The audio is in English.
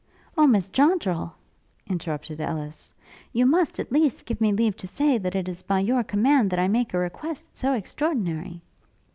'Oh, Miss Joddrel!' interrupted Ellis, 'you must, at least, give me leave to say, that it is by your command that I make a request so extraordinary!'